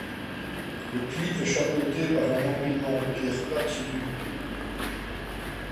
Le puits est chapeauté par un empilement de pierres plates sous une boule.